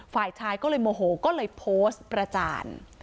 ฝ่ายชายก็เลยโมโหก็เลยโพสต์ประจาน